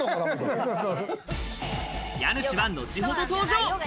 家主は後ほど登場。